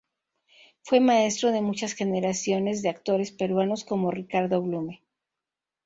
Fue maestro de muchas generaciones de actores peruanos como Ricardo Blume.